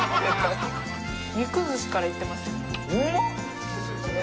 肉寿司からいってます？